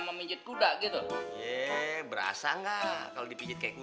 janganlah gede gila distoba pria itu